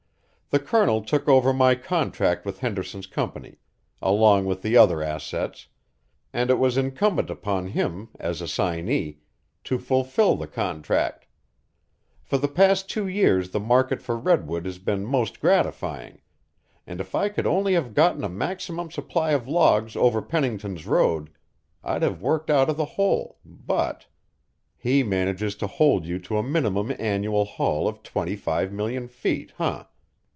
The Colonel took over my contract with Henderson's company, along with the other assets, and it was incumbent upon him, as assignee, to fulfill the contract. For the past two years the market for redwood has been most gratifying, and if I could only have gotten a maximum supply of logs over Pennington's road, I'd have worked out of the hole, but " "He manages to hold you to a minimum annual haul of twenty five million feet, eh?"